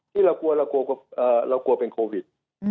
ที่เรากลัวเรากลัวเป็นโควิด